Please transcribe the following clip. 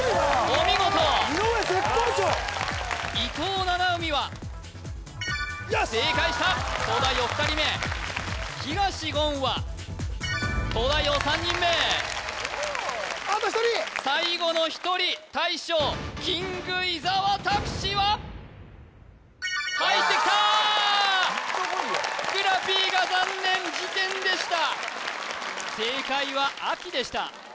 お見事井上絶好調伊藤七海は正解した東大王２人目東言は東大王３人目あと１人最後の１人大将キング伊沢拓司は入ってきたーふくらＰが残念次点でした正解は秋でした